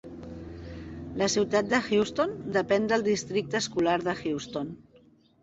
La ciutat de Houston depèn del districte escolar de Houston.